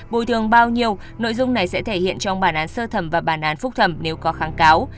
bồi thường bao nhiêu nội dung này sẽ thể hiện trong bản án sơ thẩm và bản án phúc thẩm nếu có kháng cáo